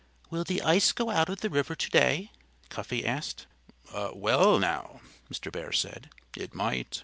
"Will the ice go out of the river to day?" Cuffy asked. "Well, now " Mr. Bear said, "it might.